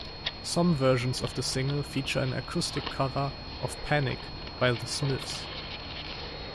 Some versions of the single feature an acoustic cover of "Panic" by The Smiths.